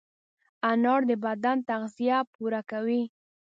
انار د بدن تغذیه پوره کوي.